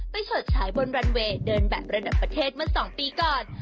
เฉิดฉายบนรันเวย์เดินแบบระดับประเทศเมื่อ๒ปีก่อน